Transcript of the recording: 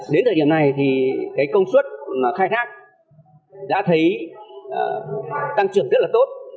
đến thời điểm này thì công suất khai thác đã thấy tăng trưởng rất là tốt